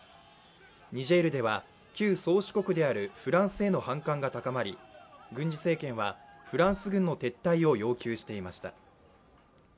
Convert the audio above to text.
ニジェールでは旧宗主国であるフランスへの反感が高まり軍事政権はフランス軍の撤退を要求していました。